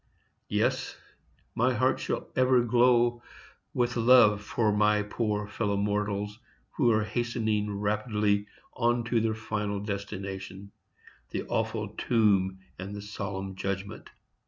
Yes, my heart shall ever glow with love for my poor fellow mortals, who are hastening rapidly on to their final destination—the awful tomb and the solemn judgment.